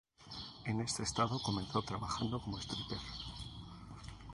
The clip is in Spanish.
En este estado comenzó trabajando como stripper.